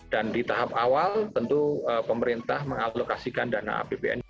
dan di tahap awal tentu pemerintah mengalokasikan dana apbn